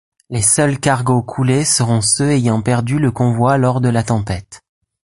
Les seuls cargos coulés seront ceux ayant perdu le convoi lors de la tempête.